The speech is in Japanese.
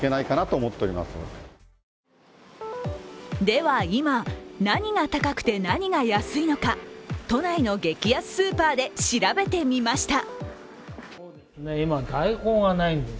では今、何が高くて何が安いのか都内の激安スーパーで調べてみました。